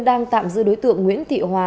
đang tạm giữ đối tượng nguyễn thị hòa